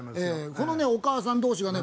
このお母さん同士がね